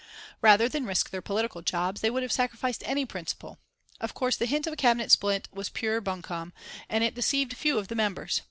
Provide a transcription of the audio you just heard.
Rather than risk their political jobs they would have sacrificed any principle. Of course the hint of a Cabinet split was pure buncombe, and it deceived few of the members.